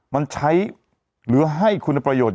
มันใช้หรือให้คุณประโยชน์